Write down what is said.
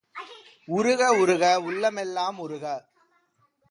உருக உருக உள்ளமெல்லாம் உருக!.